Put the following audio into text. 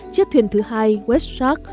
chiếc thuyền thứ hai west shark